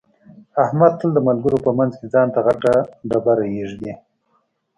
احمد تل د ملګرو په منځ کې ځان ته غټه ډېره ږدي.